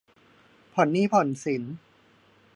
ผ่อนหนี้ผ่อนสิน